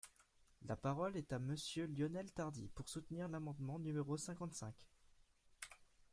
La parole est à Monsieur Lionel Tardy, pour soutenir l’amendement numéro cinquante-cinq.